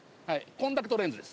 コンタクトレンズです。